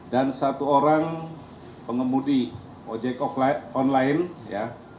dan satu orang pengemudi ojek online ya